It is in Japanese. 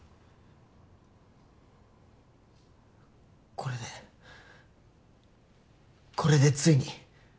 これでこれでついに。